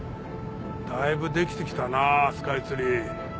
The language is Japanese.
だいぶ出来てきたなスカイツリー。